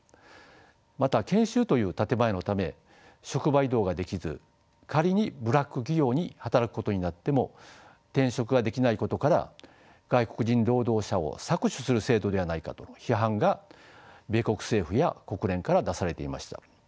また研修という建て前のため職場移動ができず仮にブラック企業に働くことになっても転職ができないことから外国人労働者を搾取する制度ではないかとの批判が米国政府や国連から出されていました。